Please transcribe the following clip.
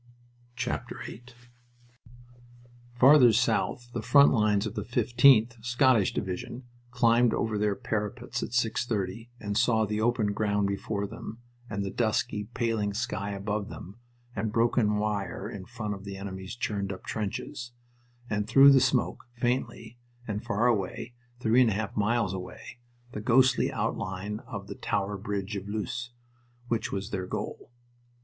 VIII Farther south the front lines of the 15th (Scottish) Division climbed over their parapets at six thirty, and saw the open ground before them, and the dusky, paling sky above them, and broken wire in front of the enemy's churned up trenches; and through the smoke, faintly, and far away, three and a half miles away, the ghostly outline of the "Tower Bridge" of Loos, which was their goal.